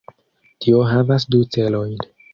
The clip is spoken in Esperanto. Tio havas du celojn.